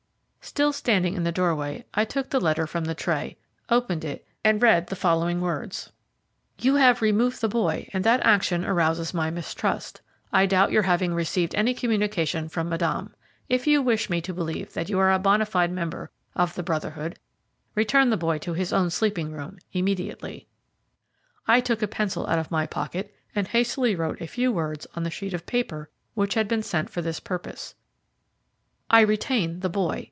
Still standing in the doorway, I took the letter from the tray, opened it, and read the following words: "You have removed the boy and that action arouses my mistrust. I doubt your having received any Communication from Madame. If you wish me to believe that you are a bonâ fide member of the Brotherhood, return the boy to his own sleeping room, immediately." I took a pencil out of my pocket and hastily wrote a few words on the sheet of paper, which had been sent for this purpose. "I retain the boy.